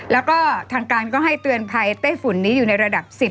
แล้วก็ทางการก็ให้เตือนภัยไต้ฝุ่นนี้อยู่ในระดับ๑๐